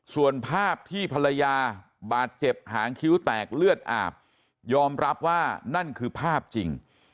ส่วนภาพที่ภรรยาบาดเจ็บหางคิ้วแตกเลือดอาบยอมรับว่านั่นคือภาพจริง